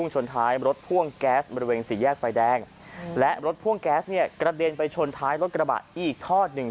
ชนท้ายรถพ่วงแก๊สบริเวณสี่แยกไฟแดงและรถพ่วงแก๊สเนี่ยกระเด็นไปชนท้ายรถกระบะอีกทอดหนึ่ง